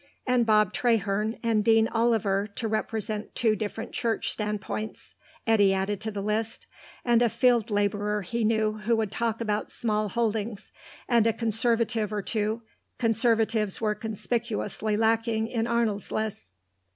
And Bob Traherne and Dean Oliver, to represent two different Church standpoints, Eddy added to the list, and a field labourer he knew who would talk about small holdings, and a Conservative or two (Conservatives were conspicuously lacking in Arnold's list).